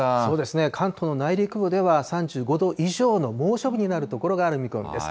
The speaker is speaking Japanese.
関東の内陸部では３５度以上の猛暑日になる所がある見込みです。